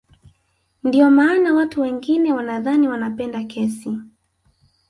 Ndio maana watu wengine wanadhani wanapenda kesi